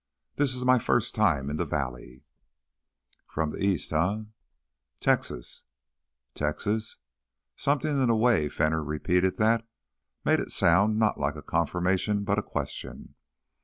"This is my first time in the valley—" "From th' east, eh?" "Texas." "Texas...." Something in the way Fenner repeated that made it sound not like a confirmation but a question.